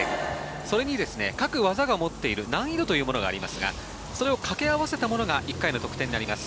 それに各技が持っている難易度というものがありますがそれを掛け合わせたのが１回の得点になります。